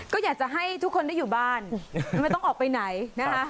ก็อยากจะให้ทุกคนได้อยู่บ้านไม่ต้องออกไปไหนนะคะ